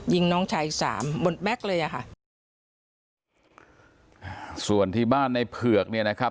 ยิงน้องชายสามบนแบ็คเลยอะค่ะส่วนที่บ้านในเผือกเนี้ยนะครับ